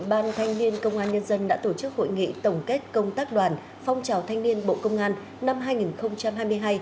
ban thanh niên công an nhân dân đã tổ chức hội nghị tổng kết công tác đoàn phong trào thanh niên bộ công an năm hai nghìn hai mươi hai